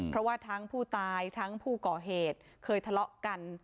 เพราะว่าทั้งผู้ตายทั้งผู้ก่อเหตุเคยทะเลาะกัน